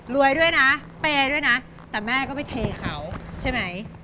ด้วยนะเปย์ด้วยนะแต่แม่ก็ไปเทเขาใช่ไหม